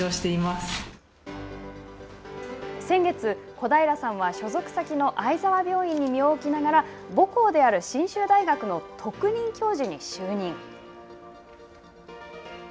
小平さんは所属先の相澤病院に身を置きながら母校である信州大学の特任教授に就任。